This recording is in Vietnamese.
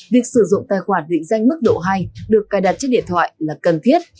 việc sử dụng tài khoản định danh mức độ hai được cài đặt trên điện thoại là cần thiết